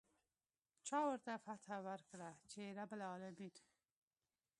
چا ورته فتحه ورکړه چې رب العلمين.